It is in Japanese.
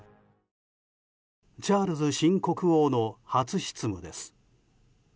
チャールズ新国王の初執務です。